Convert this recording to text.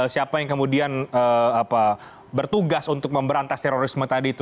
siapa yang kemudian bertugas untuk memberantas terorisme tadi itu